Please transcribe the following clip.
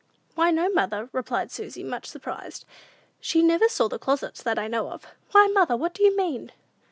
"Why, no, mother," replied Susy, much surprised; "she never saw the closets, that I know of. Why, mother, what do you mean?"